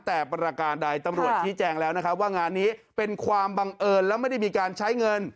แต่ประการใดตำรวจชี้แจงแล้วนะครับว่างานนี้เป็นความบังเอิญแล้วไม่ได้มีการใช้เงิน